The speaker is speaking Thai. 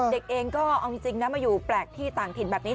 เด็กเองก็เอาจริงนะมาอยู่แปลกที่ต่างถิ่นแบบนี้